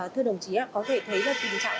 thưa đồng chí có thể thấy là tình trạng